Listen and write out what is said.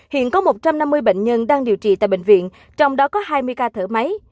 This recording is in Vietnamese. hiện có một trăm năm mươi bệnh nhân đang điều trị tại bệnh viện trong đó có hai mươi ca thở máy